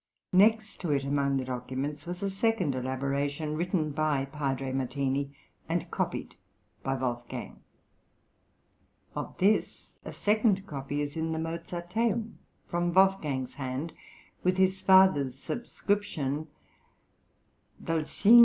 Next to it among the documents was a second elaboration written by Padre Martini, and copied by Wolfgang. Of this a second copy is in the Mozarteum, from Wolfgang's hand, with his father's subscription: _Dal Sigr.